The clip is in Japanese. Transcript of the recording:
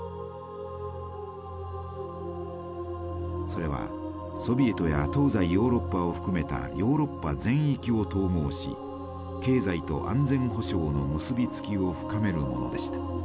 それはソビエトや東西ヨーロッパを含めたヨーロッパ全域を統合し経済と安全保障の結び付きを深めるものでした。